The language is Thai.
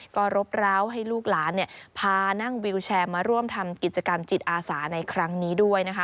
ก็รบร้าวให้ลูกหลานพานั่งวิวแชร์มาร่วมทำกิจกรรมจิตอาสาในครั้งนี้ด้วยนะคะ